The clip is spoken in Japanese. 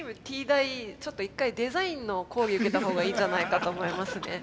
大ちょっと一回デザインの講義受けたほうがいいんじゃないかと思いますね。